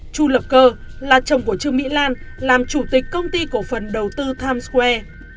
chu lập cơ là chồng của trương mỹ lan làm chủ tịch công ty cổ phần đầu tư times square